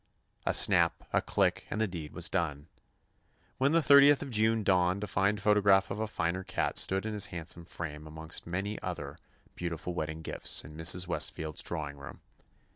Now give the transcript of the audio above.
A snap, a click, and the deed was done! When the thirtieth of June dawned a fine photograph of a finer cat stood in its handsome frame among many other beautiful wedding gifts in Mrs. Westfield's drawing 176 TOMMY POSTOFFICE room.